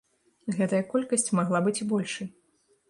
Гэтая колькасць магла быць і большай.